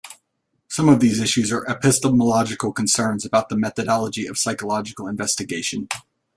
Some of these issues are epistemological concerns about the methodology of psychological investigation.